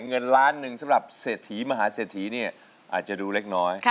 เงินล้านหนึ่งสำหรับเศรษฐีมหาเศรษฐีเนี่ยอาจจะดูเล็กน้อย